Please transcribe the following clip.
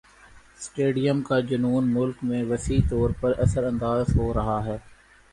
stadium کا جنون مُلک میں وسیع طور پر اثرانداز ہو رہا ہے